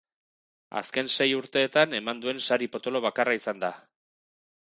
Azken sei urteetan eman duen sari potolo bakarra izan da.